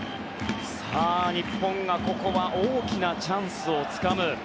日本がここは大きなチャンスをつかむ。